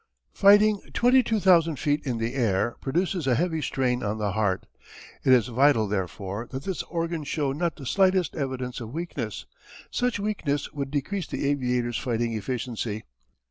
Fighting twenty two thousand feet in the air produces a heavy strain on the heart. It is vital therefore that this organ show not the slightest evidence of weakness. Such weakness would decrease the aviator's fighting efficiency.